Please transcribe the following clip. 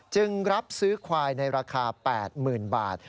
จึงรับซื้อควายในราคา๘๐๐๐บาท